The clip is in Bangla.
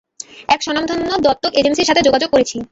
এক স্বনামধন্য দত্তক এজেন্সির সাথে যোগাযোগ করেছি।